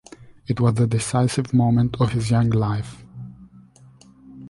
It was the decisive moment of his young life.